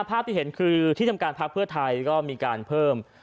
ภาพที่เห็นคือที่ทำการพักเพื่อไทยก็มีการเพิ่ม